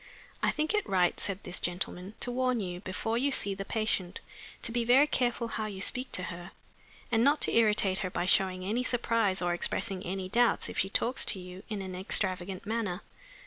"I think it right," said this gentleman, "to warn you, before you see the patient, to be very careful how you speak to her, and not to irritate her by showing any surprise or expressing any doubts if she talks to you in an extravagant manner.